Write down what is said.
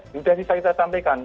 sudah bisa kita sampaikan